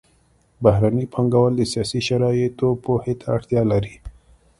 بهرني پانګوال د سیاسي شرایطو پوهې ته اړتیا لري